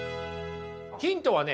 ヒントはね